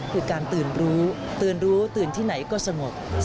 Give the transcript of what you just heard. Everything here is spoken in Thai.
คือการตื่นรู้ตื่นรู้ตื่นที่ไหนก็สงบ